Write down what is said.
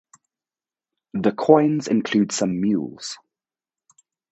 The coins include some mules.